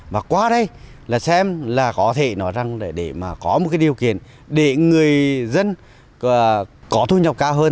và qua đây xem là có thể nói rằng để có một điều kiện để người dân có thu nhập cao hơn